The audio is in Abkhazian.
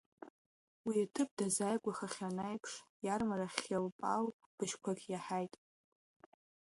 Уи аҭыԥ дазааигәахахьан аиԥш, иармарахь ӷьалпал быжьқәак иаҳаит.